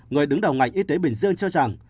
người đứng đầu ngành y tế bình dương cho rằng